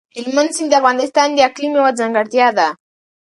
هلمند سیند د افغانستان د اقلیم یوه ځانګړتیا ده.